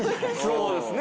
そうですね。